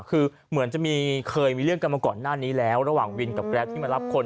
คือเหมือนจะมีเคยมีเรื่องกันมาก่อนหน้านี้แล้วระหว่างวินกับแรปที่มารับคน